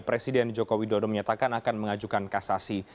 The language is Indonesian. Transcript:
presiden jokowi dodo menyatakan akan mengajukan kasasi